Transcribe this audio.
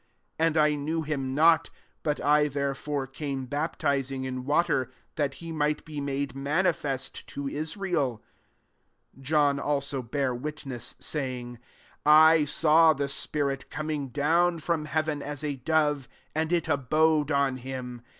31 And I knew him not: but I, therefore, came baptizing in water, that he might be made manifest to Is rael*" 32 John also bare witness, saying, " I saw the spirit coming down from heaven as a dove ; and it abode on him.